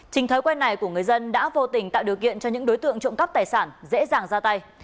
chính thói quen này của người dân đã vô tình tạo điều kiện cho những đối tượng trộm cắp tài sản dễ dàng ra tay